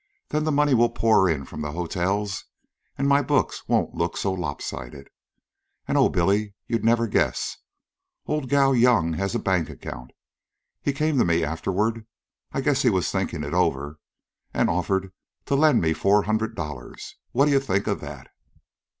Then the money will pour in from the hotels and my books won't look so lopsided. And oh, Billy you'd never guess. Old Gow Yum has a bank account. He came to me afterward I guess he was thinking it over and offered to lend me four hundred dollars. What do you think of that?"